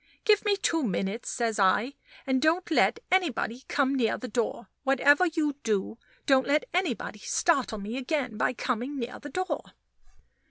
"Give me two minutes," says I, "and don't let anybody come near the door whatever you do, don't let anybody startle me again by coming near the door."